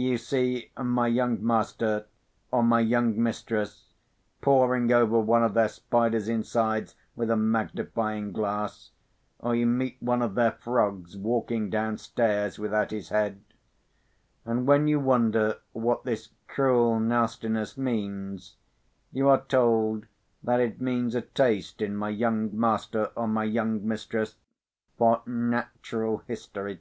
You see my young master, or my young mistress, poring over one of their spiders' insides with a magnifying glass; or you meet one of their frogs walking downstairs without his head—and when you wonder what this cruel nastiness means, you are told that it means a taste in my young master or my young mistress for natural history.